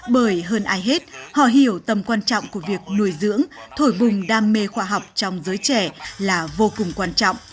bởi hơn ai hết họ hiểu tầm quan trọng của việc nuôi dưỡng thổi bùng đam mê khoa học trong giới trẻ là vô cùng quan trọng